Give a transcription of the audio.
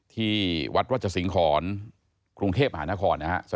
ที่วัดวัชสิงห์ขอนครุงเทพฯหานครนะครับ